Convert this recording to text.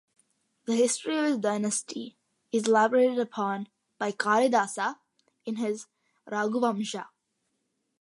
The history of his dynasty is elaborated upon by Kalidasa in his "Raghuvamsha".